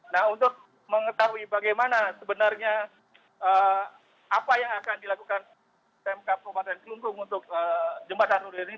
nah untuk mengetahui bagaimana sebenarnya apa yang akan dilakukan pmk kabupaten kelungkung untuk jembatan nuril ini